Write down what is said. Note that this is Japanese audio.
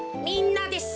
みんなで。